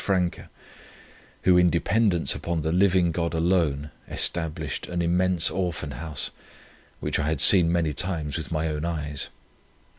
Franke, who in dependence upon the living God alone, established an immense Orphan House, which I had seen many times with my own eyes.